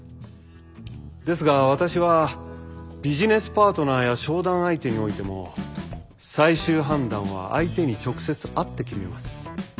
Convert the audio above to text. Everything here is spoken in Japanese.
ですが私はビジネスパートナーや商談相手においても最終判断は相手に直接会って決めます。